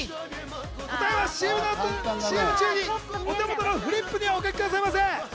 答えはＣＭ中にお手元のフリップにお書きくださいませ。